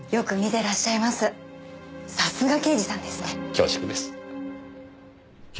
恐縮です。